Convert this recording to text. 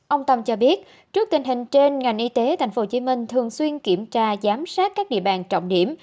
ông tâm cho biết trước tình hình trên ngành y tế tp hcm thường xuyên kiểm tra giám sát các địa bàn trọng điểm